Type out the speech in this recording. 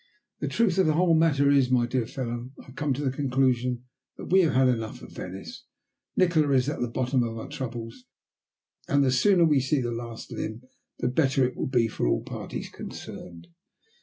The truth of the whole matter is, my dear fellow, I have come to the conclusion that we have had enough of Venice. Nikola is at the bottom of our troubles, and the sooner we see the last of him the better it will be for all parties concerned."